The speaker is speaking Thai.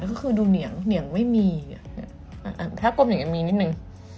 แล้วก็คือดูเหนียงเหนียงไม่มีอ่ะอ่ะถ้ากลมอย่างงี้มีนิดหนึ่ง